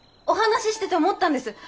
お話ししてて思ったんです！